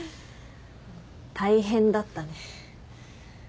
大変だったね。